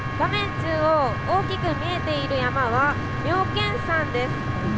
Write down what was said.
中央大きく見えている山は妙見山です。